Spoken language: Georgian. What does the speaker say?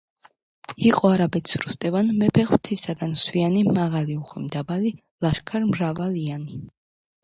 იყო არაბეთს როსტევან მეფე ღმთისაგან სვიანი მაღალი უხვი მდაბალი ლაშქარ მრავალიანი